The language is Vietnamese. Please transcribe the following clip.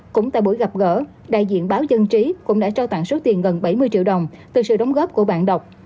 cũng tại buổi gặp gỡ đại diện báo dân trí cũng đã trao tặng số tiền gần bảy mươi triệu đồng từ sự đóng góp của bạn đọc